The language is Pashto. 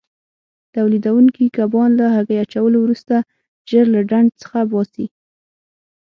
تولیدوونکي کبان له هګۍ اچولو وروسته ژر له ډنډ څخه باسي.